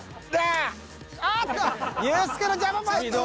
ああっとユースケの邪魔も入った。